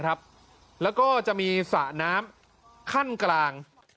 แล้วก็จะมีสระน้ำขั้นกลาง